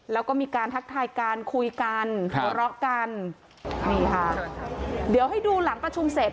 แล้วก็มีการทักทายการคุยกันหัวเราะกันนี่ค่ะเดี๋ยวให้ดูหลังประชุมเสร็จ